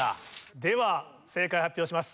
では正解を発表します。